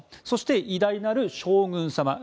そして偉大なる将軍様